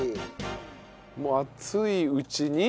もう熱いうちに。